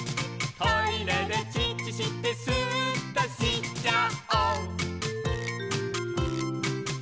「トイレでチッチしてスーっとしちゃお！」